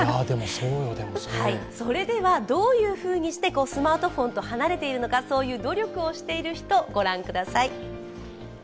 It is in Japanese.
それでは、どういうふうにしてスマートフォンと離れているのか、そういう努力をしている人、ご覧ください。